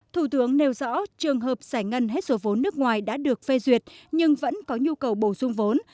thủ tướng nêu rõ trường hợp giải ngân hết số vốn nước ngoài đã được phê duyệt nhưng vẫn có nhu cầu bổ sung vốn